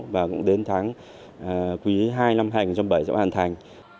và cũng đến tháng quý ii năm hai nghìn một mươi bảy